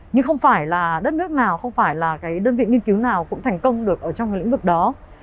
nhưng không phải là đất nước nào không phải là cái đơn vị nghiên cứu nào cũng thành công được ở trong cái lĩnh vực đó